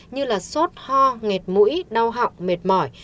như là sốt ho nghẹt mũi đau họng mệt mỏi